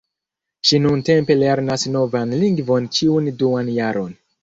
Ŝi nuntempe lernas novan lingvon ĉiun duan jaron.